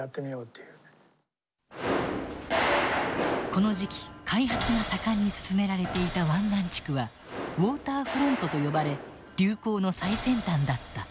この時期開発が盛んに進められていた湾岸地区はウォーターフロントと呼ばれ流行の最先端だった。